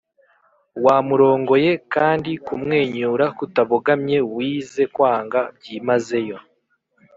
wamurongoye, kandi kumwenyura kutabogamye wize kwanga byimazeyo;